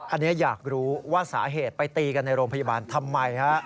อันนี้อยากรู้ว่าสาเหตุไปตีกันในโรงพยาบาลทำไมฮะ